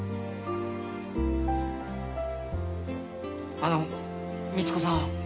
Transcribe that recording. あのみち子さん。